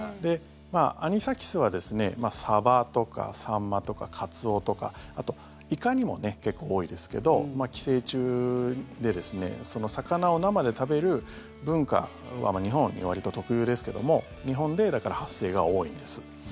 アニサキスはですねサバとかサンマとかカツオとかあと、イカにも結構多いですけど寄生虫で魚を生で食べる文化日本にわりと特有ですけども日本でだから発生が多いんです。